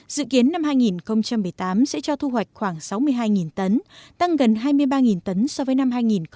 dự kiến năm hai nghìn một mươi tám sẽ cho thu hoạch khoảng sáu mươi hai tấn tăng gần hai mươi ba tấn so với năm hai nghìn một mươi bảy